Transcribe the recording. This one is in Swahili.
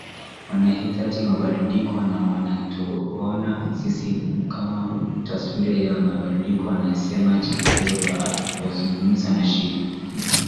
Wanahitaji mabadiliko na wanatuona sisi kuwa taswira ya mabadiliko amesema Chakwera alipozungumza na shirika